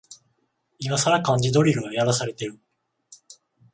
いまさら漢字ドリルをやらされてる